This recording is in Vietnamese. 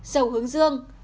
dầu hướng dương